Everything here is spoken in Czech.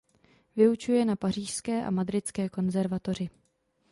Vyučuje na pařížské a madridské konzervatoři.